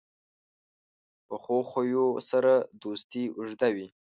پخو خویو سره دوستي اوږده وي